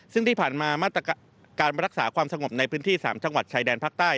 ซึ่งที่ผ่านมามาตรการรักษาความสงบในพื้นที่๓จังหวัดชายแดนภาคใต้